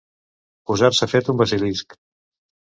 Posar-se fet un basilisc.